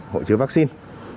hộ chứa vaccine